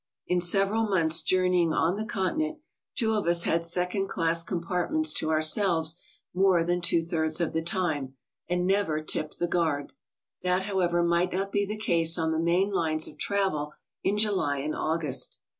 In several months' journeying on the Continent, two of us had second class compartments to ourselves more than two thirds of the time, and never tipped the guard. That, however, might not be the case on the main lines of travel in July and August.